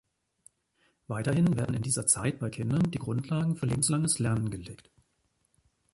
Weiterhin werden in dieser Zeit bei Kindern die Grundlagen für lebenslanges Lernen gelegt.